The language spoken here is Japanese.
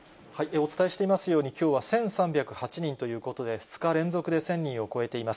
お伝えしていますように、きょうは１３０８人ということで、２日連続で１０００人を超えています。